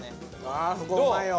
ああそこうまいよ。